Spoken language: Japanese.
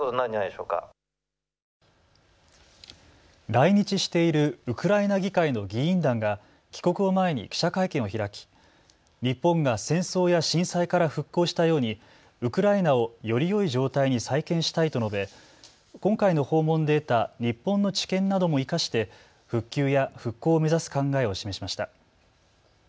来日しているウクライナ議会の議員団が帰国を前に記者会見を開き、日本が戦争や震災から復興したようにウクライナをよりよい状態に再建したいと述べ、今回の訪問で得た日本の知見なども生かして復旧や復興を目指す考えを示しました。